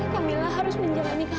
kamilah harus menjaga kamilah